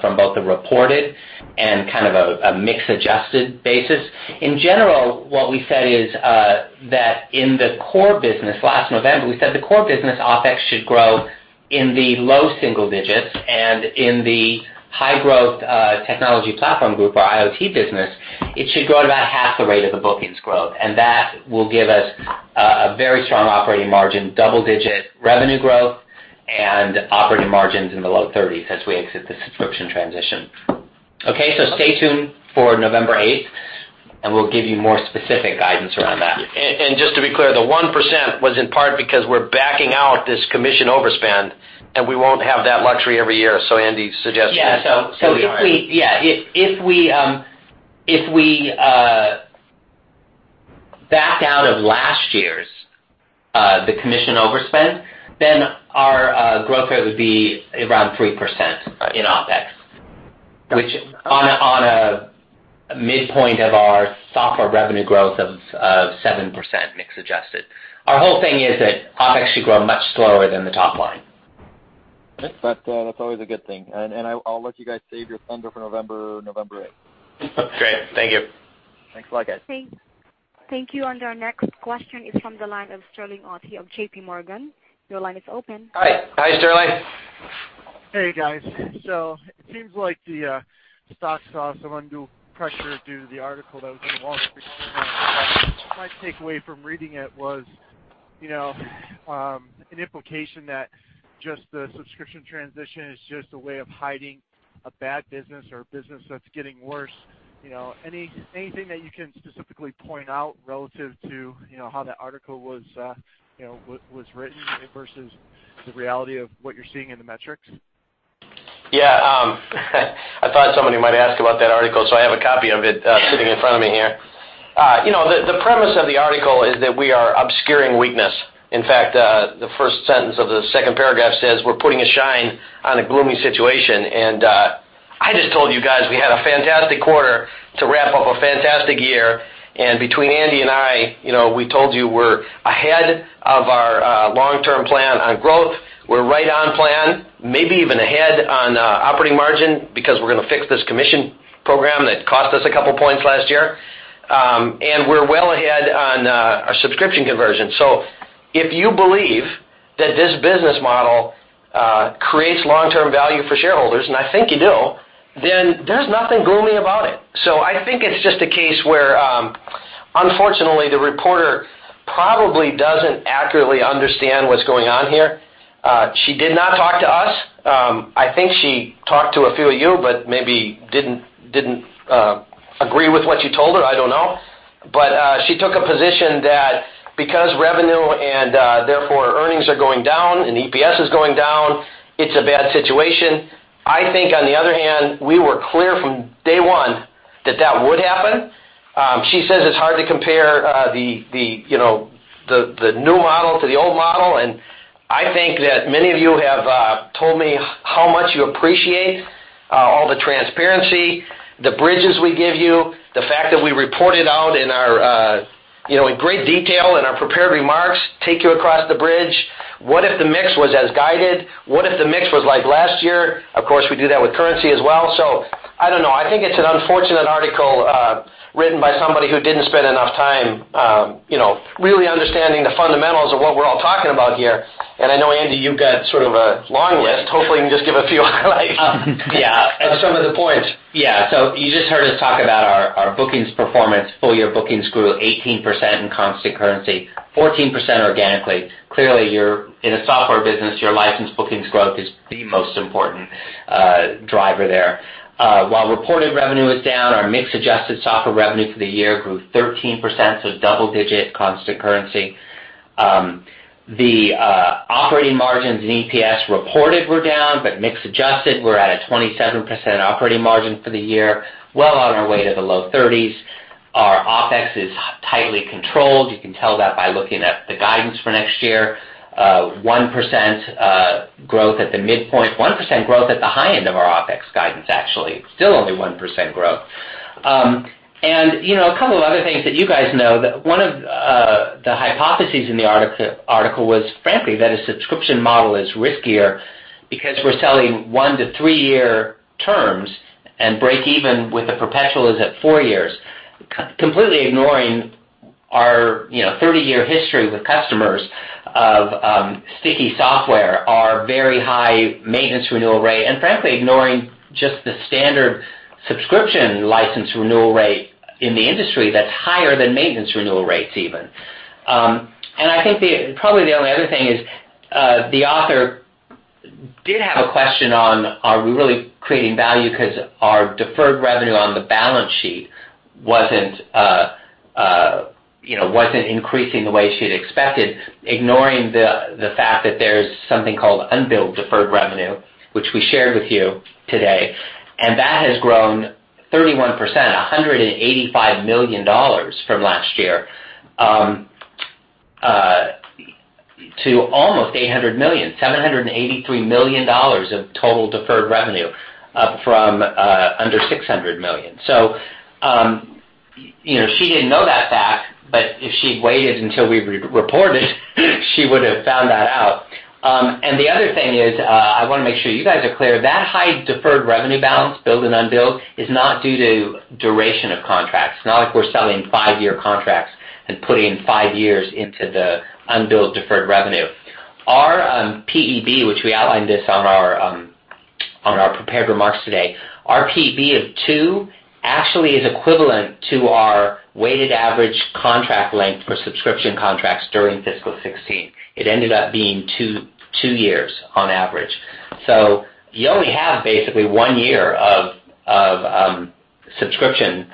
from both the reported and kind of a mix-adjusted basis. In general, what we said is that in the core business, last November, we said the core business OpEx should grow in the low single digits, and in the high-growth technology platform group, our IoT business, it should grow at about half the rate of the bookings growth. That will give us a very strong operating margin, double-digit revenue growth, and operating margins in the low 30s as we exit the subscription transition. Okay, stay tuned for November 8th, and we'll give you more specific guidance around that. Just to be clear, the 1% was in part because we're backing out this commission overspend, and we won't have that luxury every year. Yeah We are. Yeah. If we backed out of last year's, the commission overspend, our growth rate would be around 3% in OpEx. Got it. Which on a midpoint of our software revenue growth of 7%, mix adjusted. Our whole thing is that OpEx should grow much slower than the top line. That's always a good thing. I'll let you guys save your thunder for November 8th. Great. Thank you. Thanks a lot, guys. Thanks. Thank you. Our next question is from the line of Sterling Auty of JP Morgan. Your line is open. Hi, Sterling. Hey, guys. It seems like the stock saw some undue pressure due to the article that was in The Wall Street Journal. My takeaway from reading it was an implication that just the subscription transition is just a way of hiding a bad business or a business that's getting worse. Anything that you can specifically point out relative to how that article was written versus the reality of what you're seeing in the metrics? Yeah. I thought somebody might ask about that article, I have a copy of it sitting in front of me here. The premise of the article is that we are obscuring weakness. In fact, the first sentence of the second paragraph says we're putting a shine on a gloomy situation. I just told you guys, we had a fantastic quarter to wrap up a fantastic year. Between Andy and I, we told you we're ahead of our long-term plan on growth. We're right on plan, maybe even ahead on operating margin because we're going to fix this commission program that cost us a couple of points last year. We're well ahead on our subscription conversion. If you believe that this business model creates long-term value for shareholders, and I think you do, then there's nothing gloomy about it. I think it's just a case where, unfortunately, the reporter probably doesn't accurately understand what's going on here. She did not talk to us. I think she talked to a few of you, but maybe didn't agree with what you told her, I don't know. She took a position that because revenue and therefore earnings are going down and EPS is going down, it's a bad situation. I think on the other hand, we were clear from day one that that would happen. She says it's hard to compare the new model to the old model, and I think that many of you have told me how much you appreciate all the transparency, the bridges we give you, the fact that we report it out in great detail in our prepared remarks, take you across the bridge. What if the mix was as guided? What if the mix was like last year? Of course, we do that with currency as well. I don't know. I think it's an unfortunate article written by somebody who didn't spend enough time really understanding the fundamentals of what we're all talking about here. I know, Andy, you've got sort of a long list. Hopefully, you can just give a few highlights. Yeah. Some of the points. Yeah. You just heard us talk about our bookings performance. Full-year bookings grew 18% in constant currency, 14% organically. Clearly, in a software business, your license bookings growth is the most important driver there. While reported revenue was down, our mix-adjusted software revenue for the year grew 13%, so double-digit constant currency. The operating margins and EPS reported were down, but mix-adjusted, we're at a 27% operating margin for the year, well on our way to the low 30s. Our OpEx is tightly controlled. You can tell that by looking at the guidance for next year. 1% growth at the high end of our OpEx guidance, actually. Still only 1% growth. A couple of other things that you guys know, that one of the hypotheses in the article was, frankly, that a subscription model is riskier because we're selling 1-3 year terms, and break even with the perpetual is at 4 years, completely ignoring our 30-year history with customers of sticky software, our very high maintenance renewal rate, and frankly, ignoring just the standard subscription license renewal rate in the industry that's higher than maintenance renewal rates even. I think probably the only other thing is, the author did have a question on, are we really creating value because our deferred revenue on the balance sheet wasn't increasing the way she'd expected, ignoring the fact that there's something called unbilled deferred revenue, which we shared with you today, and that has grown 31%, $185 million from last year, to almost $800 million, $783 million of total deferred revenue up from under $600 million. She didn't know that fact, but if she'd waited until we reported, she would have found that out. The other thing is, I want to make sure you guys are clear, that high deferred revenue balance, billed and unbilled, is not due to duration of contracts. It's not like we're selling 5-year contracts and putting 5 years into the unbilled deferred revenue. Our PEB, which we outlined this on our prepared remarks today, our PEB of 2 actually is equivalent to our weighted average contract length for subscription contracts during fiscal 2016. It ended up being 2 years on average. You only have basically one year of subscription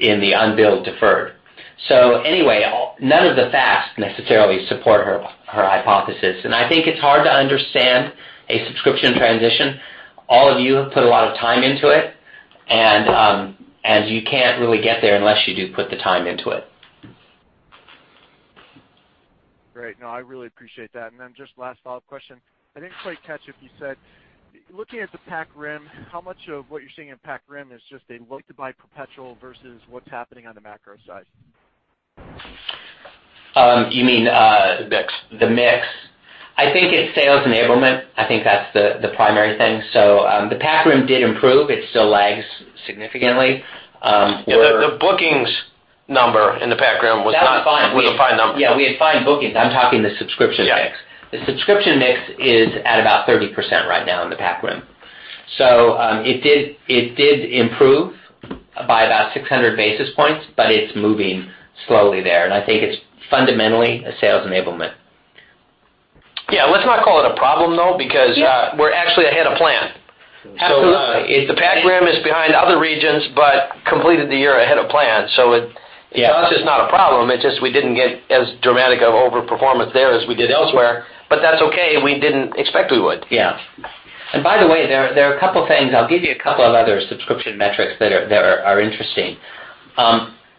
in the unbilled deferred. None of the facts necessarily support her hypothesis, I think it's hard to understand a subscription transition. All of you have put a lot of time into it, and you can't really get there unless you do put the time into it. Great. No, I really appreciate that. Then just last follow-up question. I didn't quite catch if you said, looking at the Pac Rim, how much of what you're seeing in Pac Rim is just a look to buy perpetual versus what's happening on the macro side? You mean. The mix. The mix. I think it's sales enablement. I think that's the primary thing. The Pac Rim did improve. It still lags significantly. Well, the bookings number in the Pac Rim was not. That was fine a fine number. Yeah. We had fine bookings. I'm talking the subscription mix. Yeah. The subscription mix is at about 30% right now in the Pac Rim. It did improve by about 600 basis points, but it's moving slowly there, and I think it's fundamentally a sales enablement. Yeah. Let's not call it a problem, though, because- Yeah we're actually ahead of plan. Absolutely. The Pac Rim is behind other regions, but completed the year ahead of plan. Yeah to us, it's not a problem, it's just we didn't get as dramatic of over-performance there as we did elsewhere. That's okay. We didn't expect we would. Yeah. By the way, there are a couple things. I'll give you a couple of other subscription metrics that are interesting.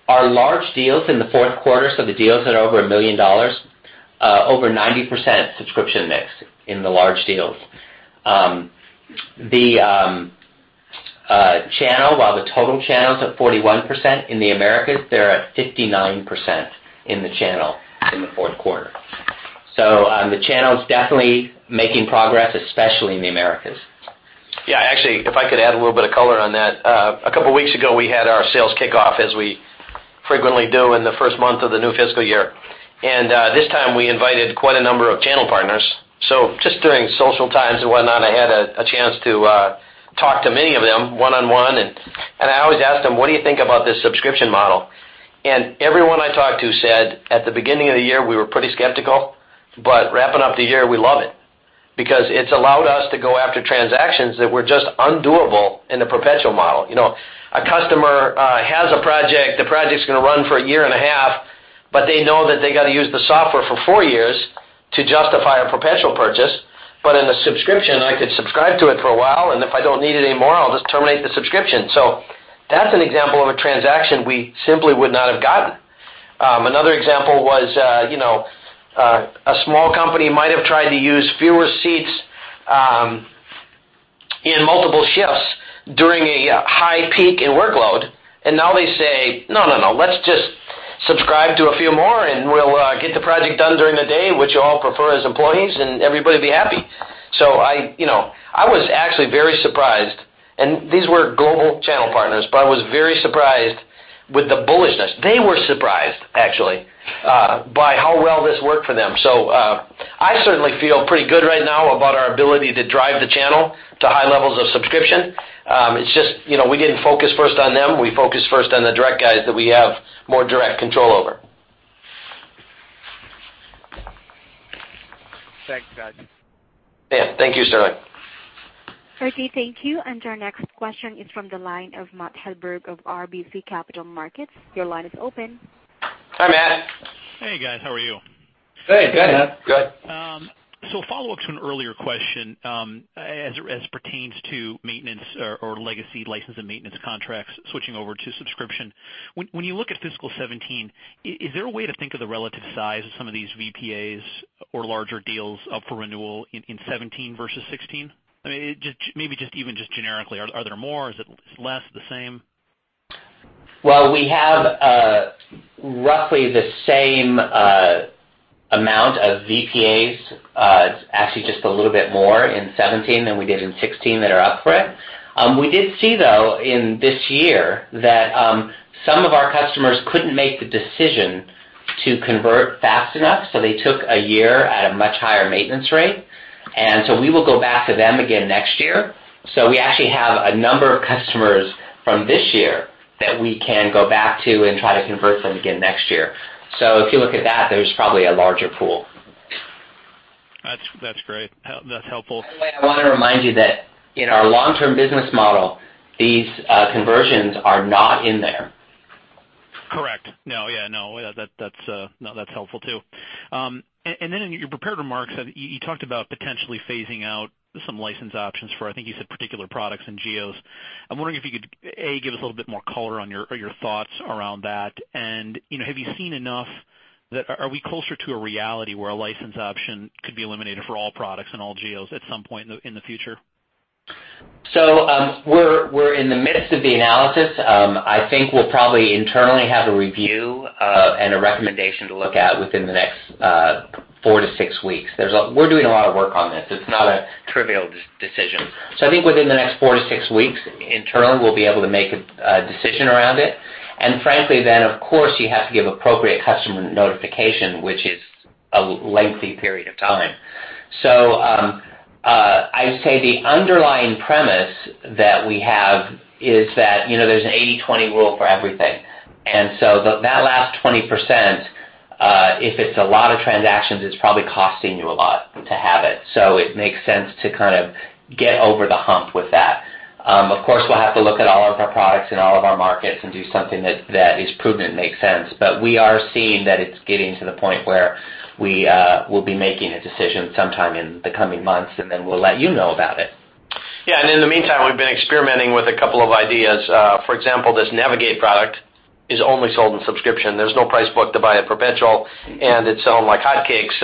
Our large deals in the fourth quarter, so the deals that are over $1 million, over 90% subscription mix in the large deals. The channel, while the total channel's at 41% in the Americas, they're at 59% in the channel in the fourth quarter. The channel's definitely making progress, especially in the Americas. Yeah. Actually, if I could add a little bit of color on that. A couple of weeks ago, we had our sales kickoff, as we frequently do in the first month of the new fiscal year. This time we invited quite a number of channel partners. Just during social times and whatnot, I had a chance to talk to many of them one-on-one. I always ask them, "What do you think about this subscription model?" Everyone I talked to said, "At the beginning of the year, we were pretty skeptical, but wrapping up the year, we love it because it's allowed us to go after transactions that were just undoable in the perpetual model." A customer has a project, the project's going to run for a year and a half, but they know that they got to use the software for four years to justify a perpetual purchase. In the subscription, I could subscribe to it for a while, and if I don't need it anymore, I'll just terminate the subscription. That's an example of a transaction we simply would not have gotten. Another example was, a small company might have tried to use fewer seats in multiple shifts during a high peak in workload, and now they say, "No, let's just subscribe to a few more, and we'll get the project done during the day, which you all prefer as employees, and everybody'll be happy." I was actually very surprised, these were global channel partners, but I was very surprised with the bullishness. They were surprised, actually, by how well this worked for them. I certainly feel pretty good right now about our ability to drive the channel to high levels of subscription. It's just we didn't focus first on them. We focused first on the direct guys that we have more direct control over. Thanks, guys. Yeah. Thank you, Sterling. Okay, thank you. Our next question is from the line of Matt Hedberg of RBC Capital Markets. Your line is open. Hi, Matt. Hey, guys. How are you? Great. Go ahead, Matt. Good. A follow-up to an earlier question, as pertains to maintenance or legacy license and maintenance contracts switching over to subscription. When you look at fiscal 2017, is there a way to think of the relative size of some of these VPAs or larger deals up for renewal in 2017 versus 2016? I mean, maybe even just generically, are there more? Is it less? The same? Well, we have roughly the same amount of VPAs. It's actually just a little bit more in 2017 than we did in 2016 that are up for it. We did see, though, in this year that some of our customers couldn't make the decision to convert fast enough, so they took a year at a much higher maintenance rate. We will go back to them again next year. We actually have a number of customers from this year that we can go back to and try to convert them again next year. If you look at that, there's probably a larger pool. That's great. That's helpful. By the way, I want to remind you that in our long-term business model, these conversions are not in there. Correct. No, yeah. That's helpful, too. Then in your prepared remarks, you talked about potentially phasing out some license options for, I think you said particular products and geos. I'm wondering if you could, A, give us a little bit more color on your thoughts around that. Have you seen enough that Are we closer to a reality where a license option could be eliminated for all products and all geos at some point in the future? We're in the midst of the analysis. I think we'll probably internally have a review, and a recommendation to look at within the next four to six weeks. We're doing a lot of work on this. It's not a trivial decision. I think within the next four to six weeks, internally, we'll be able to make a decision around it. Frankly, then, of course, you have to give appropriate customer notification, which is a lengthy period of time. I'd say the underlying premise that we have is that there's an 80/20 rule for everything. That last 20%, if it's a lot of transactions, it's probably costing you a lot to have it. It makes sense to kind of get over the hump with that. Of course, we'll have to look at all of our products and all of our markets and do something that is prudent and makes sense. We are seeing that it's getting to the point where we will be making a decision sometime in the coming months, and then we'll let you know about it. Yeah. In the meantime, we've been experimenting with a couple of ideas. For example, this Navigate product is only sold in subscription. There's no price book to buy it perpetual, and it's selling like hotcakes.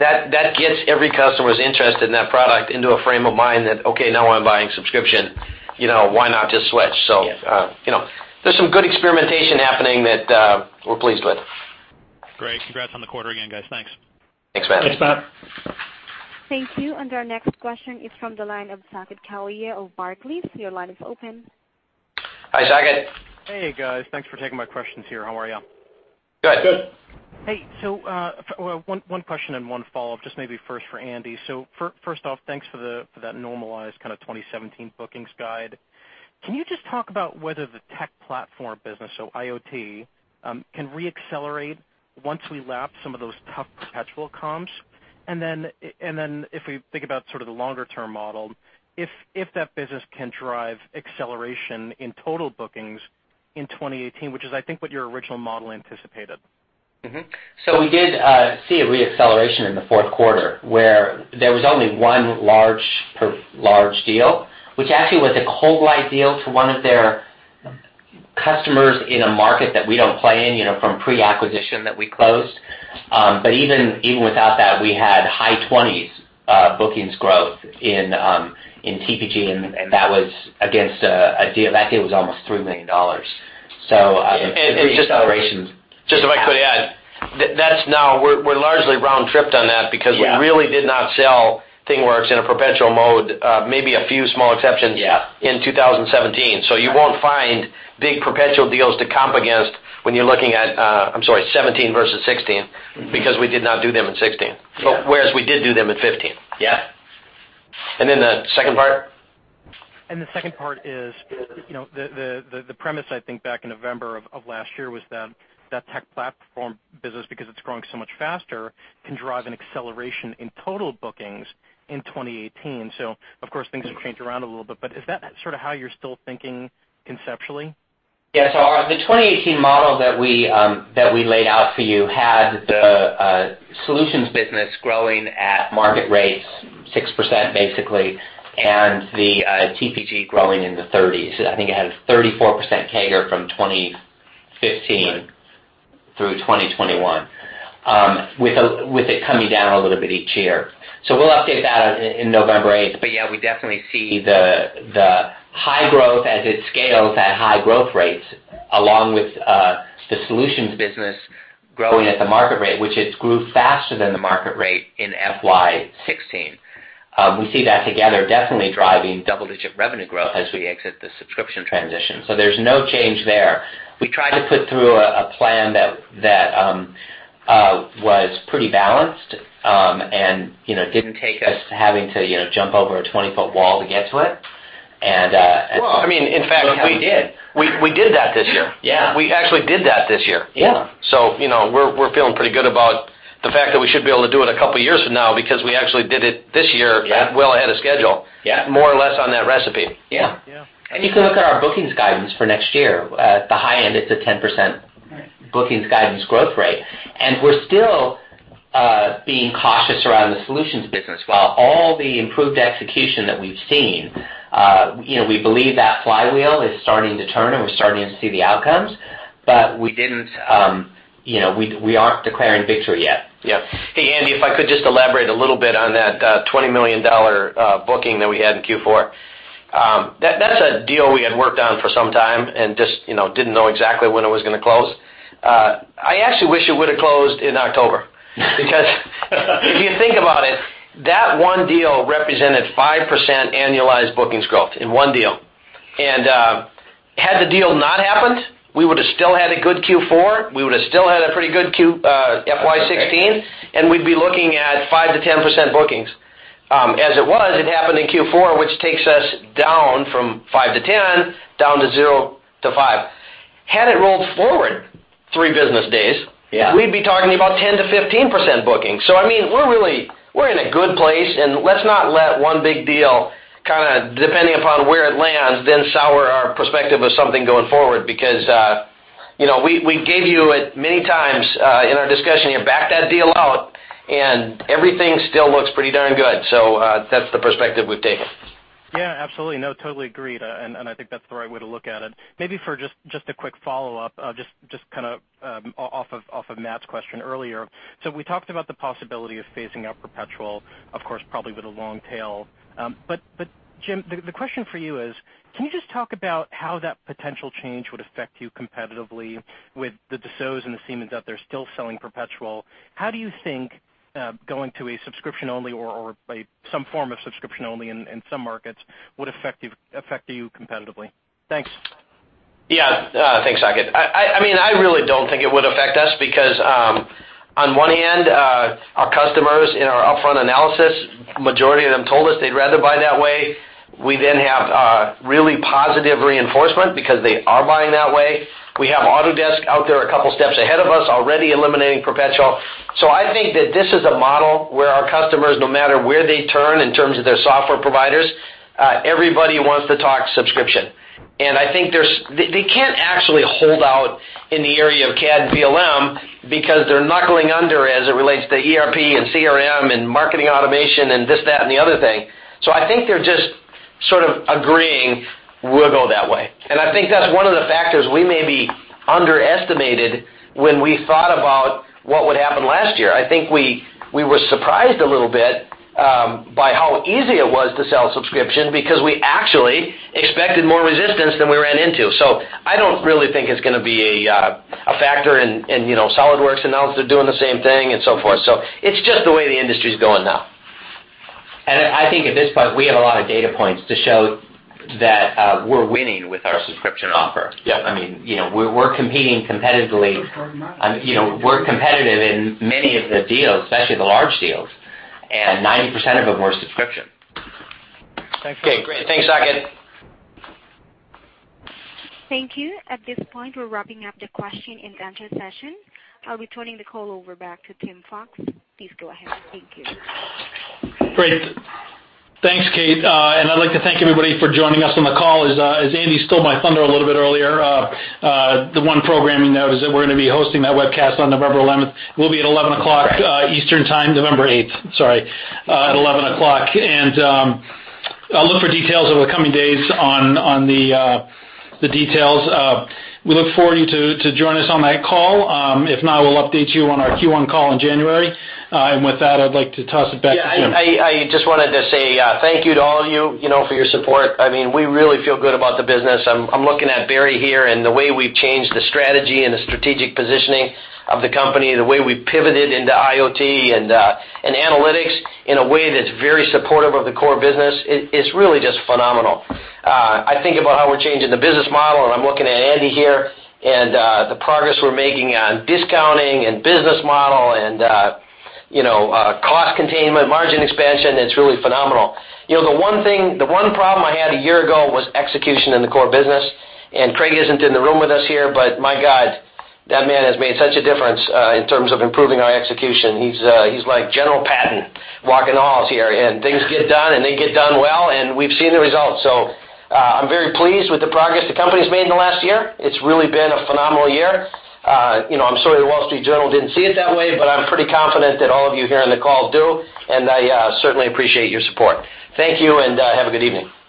That gets every customer's interest in that product into a frame of mind that, okay, now I'm buying subscription. You know, why not just switch? Yes. There's some good experimentation happening that we're pleased with. Great. Congrats on the quarter again, guys. Thanks. Thanks, Matt. Thanks, Matt. Thank you. Our next question is from the line of Saket Kalia of Barclays. Your line is open. Hi, Saket. Hey, guys. Thanks for taking my questions here. How are you all? Good. Hey, one question and one follow-up, just maybe first for Andy. First off, thanks for that normalized kind of 2017 bookings guide. Can you just talk about whether the tech platform business, so IoT, can re-accelerate once we lap some of those tough perpetual comps? If we think about sort of the longer-term model, if that business can drive acceleration in total bookings in 2018, which is, I think, what your original model anticipated. We did see a re-acceleration in the fourth quarter, where there was only one large deal, which actually was a worldwide deal for one of their customers in a market that we don't play in, from pre-acquisition that we closed. Even without that, we had high 20s bookings growth in TPG, and that was against a deal. That deal was almost $3 million. just Re-acceleration- Just if I could add, that's now, we're largely round-tripped on that because Yeah we really did not sell ThingWorx in a perpetual mode, maybe a few small exceptions Yeah you won't find big perpetual deals to comp against when you're looking at, I'm sorry, 2017 versus 2016. because we did not do them in 2016. Yeah. Whereas we did do them in 2015. Yeah. The second part? The second part is, the premise I think back in November of last year was that that tech platform business, because it's growing so much faster, can drive an acceleration in total bookings in 2018. Of course, things have changed around a little bit, but is that sort of how you're still thinking conceptually? The 2018 model that we laid out for you had the solutions business growing at market rates, 6% basically, and the TPG growing in the 30s. I think it had a 34% CAGR from 2015 through 2021, with it coming down a little bit each year. We'll update that in November 8th. Yeah, we definitely see the high growth as it scales at high growth rates, along with the solutions business growing at the market rate, which it's grew faster than the market rate in FY 2016. We see that together definitely driving double-digit revenue growth as we exit the subscription transition. There's no change there. We try to put through a plan that was pretty balanced, and didn't take us to having to jump over a 20-foot wall to get to it. Well, I mean. Look how we did. We did that this year. Yeah. We actually did that this year. Yeah. We're feeling pretty good about the fact that we should be able to do it a couple of years from now, because we actually did it this year. Yeah Well ahead of schedule. Yeah. More or less on that recipe. Yeah. Yeah. You can look at our bookings guidance for next year. At the high end, it's a 10%- Right bookings guidance growth rate. We're still being cautious around the solutions business. While all the improved execution that we've seen, we believe that flywheel is starting to turn, and we're starting to see the outcomes. We aren't declaring victory yet. Yeah. Hey, Andrew, if I could just elaborate a little bit on that $20 million booking that we had in Q4. That's a deal we had worked on for some time and just didn't know exactly when it was gonna close. I actually wish it would've closed in October. If you think about it, that one deal represented 5% annualized bookings growth in one deal. Had the deal not happened, we would've still had a good Q4, we would've still had a pretty good FY 2016, and we'd be looking at 5%-10% bookings. As it was, it happened in Q4, which takes us down from 5-10, down to 0-5. Had it rolled forward three business days- Yeah we'd be talking about 10%-15% bookings. I mean, we're in a good place, and let's not let one big deal kind of depending upon where it lands, then sour our perspective of something going forward. We gave you it many times, in our discussion here, back that deal out and everything still looks pretty darn good. That's the perspective we've taken. Yeah, absolutely. No, totally agreed. I think that's the right way to look at it. Maybe for just a quick follow-up, just kind of off of Matt's question earlier. We talked about the possibility of phasing out perpetual, of course, probably with a long tail. Jim, the question for you is: Can you just talk about how that potential change would affect you competitively with the Dassaults and the Siemens out there still selling perpetual? How do you think going to a subscription-only or some form of subscription-only in some markets would affect you competitively? Thanks. Yeah. Thanks, Saket. I really don't think it would affect us because, on one end, our customers in our upfront analysis, majority of them told us they'd rather buy that way. We then have really positive reinforcement because they are buying that way. We have Autodesk out there a couple steps ahead of us, already eliminating perpetual. I think that this is a model where our customers, no matter where they turn in terms of their software providers, everybody wants to talk subscription. I think they can't actually hold out in the area of CAD and PLM because they're knuckling under as it relates to ERP and CRM and marketing automation and this, that, and the other thing. I think they're just sort of agreeing we'll go that way. I think that's one of the factors we maybe underestimated when we thought about What would happen last year? I think we were surprised a little bit by how easy it was to sell subscription because we actually expected more resistance than we ran into. I don't really think it's going to be a factor in SOLIDWORKS announced they're doing the same thing and so forth. It's just the way the industry is going now. I think at this point, we have a lot of data points to show that we're winning with our subscription offer. Yes. We're competitive in many of the deals, especially the large deals, and 90% of them were subscription. Thanks. Great. Thanks, Saket. Thank you. At this point, we're wrapping up the question and answer session. I'll be turning the call over back to Tim Fox. Please go ahead. Thank you. Great. Thanks, Kate. I'd like to thank everybody for joining us on the call. As Andy stole my thunder a little bit earlier, the one programming note is that we're going to be hosting that webcast on November 11th, will be at 11 o'clock Eastern Time, November 8th. Sorry, at 11 o'clock. Look for details over the coming days on the details. We look forward to you to join us on that call. If not, we'll update you on our Q1 call in January. With that, I'd like to toss it back to Jim. Yeah, I just wanted to say thank you to all of you for your support. We really feel good about the business. I'm looking at Barry here and the way we've changed the strategy and the strategic positioning of the company, the way we pivoted into IoT and analytics in a way that's very supportive of the core business, it's really just phenomenal. I think about how we're changing the business model. I'm looking at Andy here, and the progress we're making on discounting and business model and cost containment, margin expansion, it's really phenomenal. The one problem I had a year ago was execution in the core business. Craig isn't in the room with us here, but my God, that man has made such a difference in terms of improving our execution. He's like General Patton walking the halls here, and things get done and they get done well, and we've seen the results. I'm very pleased with the progress the company's made in the last year. It's really been a phenomenal year. I'm sorry The Wall Street Journal didn't see it that way, but I'm pretty confident that all of you here on the call do, and I certainly appreciate your support. Thank you, and have a good evening. Bye-bye.